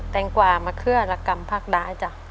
แต่งกว่ามะเขือรักกรรมผักได้จ้ะ